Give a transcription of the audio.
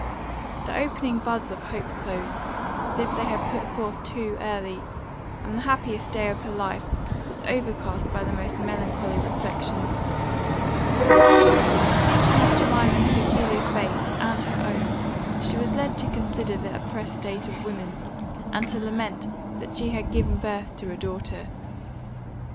The opening buds of hope closed, as if they had put forth too early, and the the happiest day of her life was overcast by the most melancholy reflections. Thinking of Jemima's peculiar fate and her own, she was led to consider the oppressed state of women, and to lament that she had given birth to a daughter.